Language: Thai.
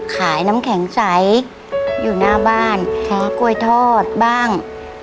ขายน้ำแข็งใสอยู่หน้าบ้านหากล้วยทอดบ้าง